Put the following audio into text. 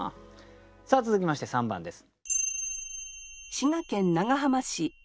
さあ続きまして３番です。